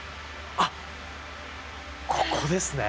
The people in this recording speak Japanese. あっここですね。